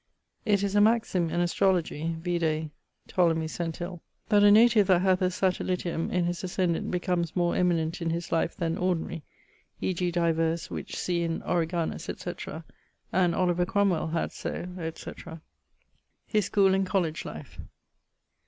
It is a maxime in astrologie vide Ptol. Centil. that a native that hath a satellitium in his ascendent becomes more eminent in his life then ordinary, e.g. divers which see in Origanus, etc., and Oliver Cromwell had so, etc. <_His school and college life.